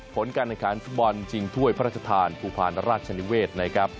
ผลการแข่งขันฟุตบอลชิงถ้วยพระราชทานภูพาลราชนิเวศนะครับ